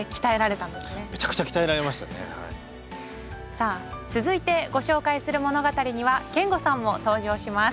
さあ続いてご紹介する物語には憲剛さんも登場します。